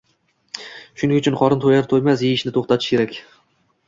Shuning uchun qorin to‘yar-to‘ymas yeyishni to‘xtatish kerak.